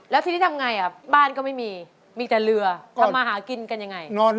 แล้วที่นี่ทำอย่างไรครับบ้านก็ไม่มีมีแต่เรือทำมาหากินกันอย่างไร